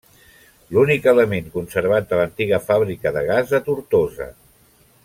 L'únic element conservat de l'antiga fàbrica de gas de Tortosa.